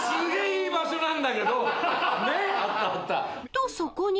［とそこに］